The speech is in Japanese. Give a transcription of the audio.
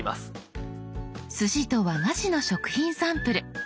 すしと和菓子の食品サンプル。